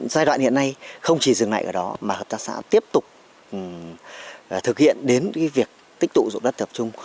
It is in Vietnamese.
giai đoạn hiện nay không chỉ dừng lại ở đó mà hợp tác xã tiếp tục thực hiện đến việc tích tụ dụng đất tập trung